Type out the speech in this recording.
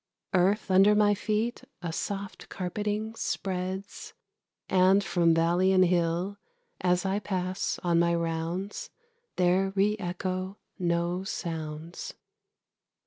Earth under my feet a soft carpeting spreads, And from valley and hill, as I pass on my rounds, There re echo no sounds.